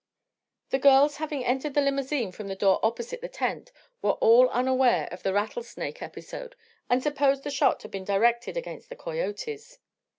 The girls, having entered the limousine from the door opposite the tent, were all unaware of the rattlesnake episode and supposed the shot had been directed against the coyotes.